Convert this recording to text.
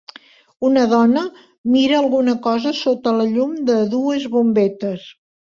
Una dona mira alguna cosa sota la llum de dues bombetes.